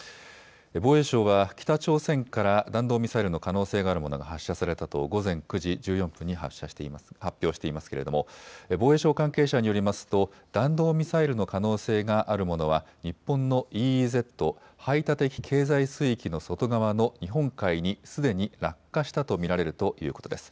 防衛省は北朝鮮から弾道ミサイルの可能性があるものが発射されたと午前９時１４分に発表していますけれども防衛省関係者によりますと弾道ミサイルの可能性があるものは日本のＥＥＺ・排他的経済水域の外側の日本海にすでに落下したと見られるということです。